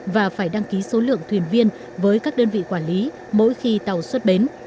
và phải đăng ký số lượng thuyền viên với các đơn vị quản lý mỗi khi tàu xuất bến